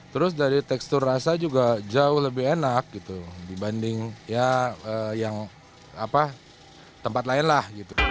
terus dari tekstur rasa juga jauh lebih enak dibanding tempat lain lah